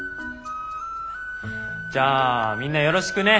じゃあみんなよろしくね。